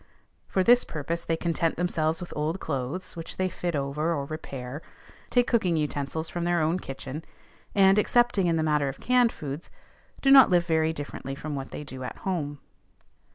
For this purpose they content themselves with old clothes, which they fit over or repair, take cooking utensils from their own kitchen, and, excepting in the matter of canned foods, do not live very differently from what they do at home.